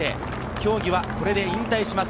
競技はこれで引退します。